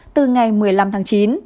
từ ngày một mươi năm tháng chín